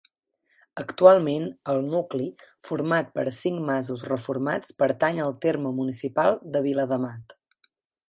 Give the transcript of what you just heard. Actualment, el nucli, format per cinc masos reformats pertany al terme municipal de Viladamat.